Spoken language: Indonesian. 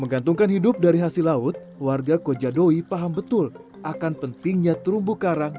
menggantungkan hidup dari hasil laut warga koja doi paham betul akan pentingnya dapatkan hidup yang berada di pulau koja gede